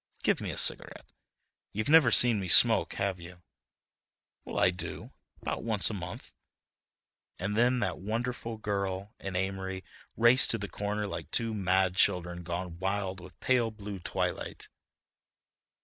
Give me a cigarette. You've never seen me smoke, have you? Well, I do, about once a month." And then that wonderful girl and Amory raced to the corner like two mad children gone wild with pale blue twilight.